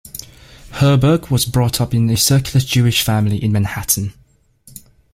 Herberg was brought up in a secular Jewish family in Manhattan.